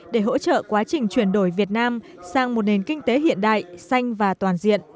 để hỗ trợ quá trình chuyển đổi việt nam sang một nền kinh tế hiện đại xanh và toàn diện